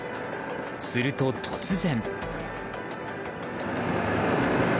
すると、突然。